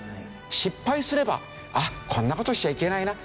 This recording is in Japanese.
失敗すれば「こんな事しちゃいけないな」